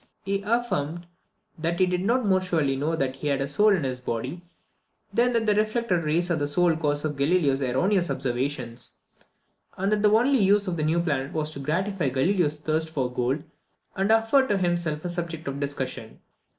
He affirmed, that he did not more surely know that he had a soul in his body, than that reflected rays are the sole cause of Galileo's erroneous observations; and that the only use of the new planets was to gratify Galileo's thirst for gold, and afford to himself a subject of discussion.